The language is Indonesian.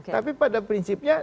tapi pada prinsipnya